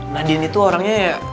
nadine itu orangnya ya